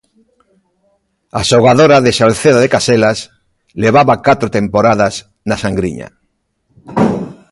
A xogadora de Salceda de Caselas levaba catro temporadas na Sangriña.